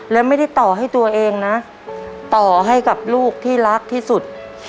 และไม่ได้ต่อให้ตัวเองนะต่อให้กับลูกที่รักที่สุด